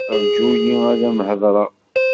Ṛğu-yi ad am-hedṛeɣ.